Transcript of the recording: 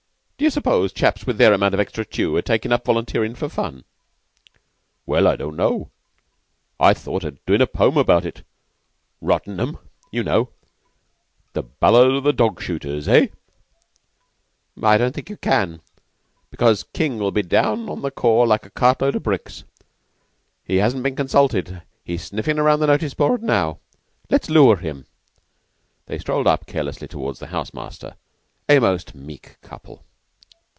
D'you suppose chaps with their amount of extra tu are takin' up volunteerin' for fun?" "Well, I don't know. I thought of doin' a poem about it rottin' 'em, you know 'The Ballad of the Dogshooters' eh?" "I don't think you can, because King'll be down on the corps like a cartload o' bricks. He hasn't been consulted, he's sniffin' round the notice board now. Let's lure him." They strolled up carelessly towards the house master a most meek couple.